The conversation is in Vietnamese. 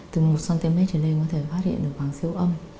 từ một cm trở lên có thể phát hiện được khoảng siêu âm